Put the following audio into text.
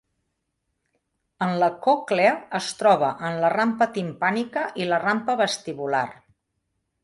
En la còclea es troba en la rampa timpànica i la rampa vestibular.